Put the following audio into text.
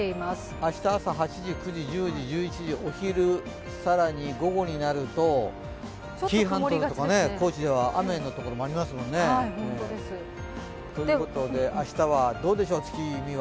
明日朝８時９時、１０時、１１時、お昼更に午後になると紀伊半島や高知では雨の所もありますもんね。ということで明日はどうでしょう、月見は。